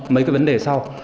mấy cái vấn đề sau